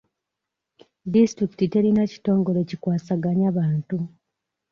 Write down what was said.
Disitulikiti terina kitongole kikwasaganya bantu.